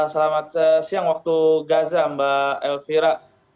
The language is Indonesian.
selamat siang waktu gaza mbak elvira